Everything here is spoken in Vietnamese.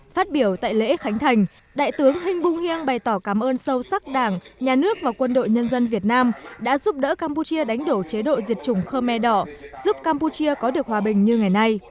phát biểu tại lễ khánh thành đại tướng hinh bung hiêng bày tỏ cảm ơn sâu sắc đảng nhà nước và quân đội nhân dân việt nam đã giúp đỡ campuchia đánh đổ chế độ diệt chủng khmer đỏ giúp campuchia có được hòa bình như ngày nay